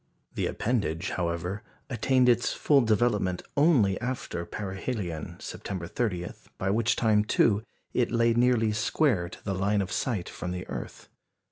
The appendage, however, attained its full development only after perihelion, September 30, by which time, too, it lay nearly square to the line of sight from the earth.